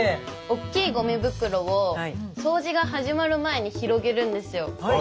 おっきいゴミ袋を掃除が始まる前に広げるんですよ。